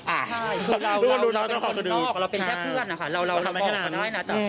อ่ะคุณคุณรู้แล้วเจ้าข้อคดีเราเป็นแค่เพื่อนนะคะเราบอกกันได้นะ